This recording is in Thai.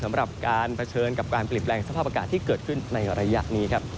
สำหรับการเผชิญกับการเปลี่ยนแปลงสภาพอากาศที่เกิดขึ้นในระยะนี้ครับ